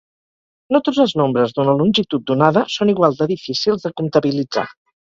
No tots els nombres d'una longitud donada són igual de difícils de comptabilitzar.